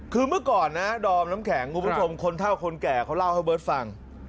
คือเมื่อก่อนนะดอมน้ำแข็งคุณผู้ชมคนเท่าคนแก่เขาเล่าให้เบิร์ตฟัง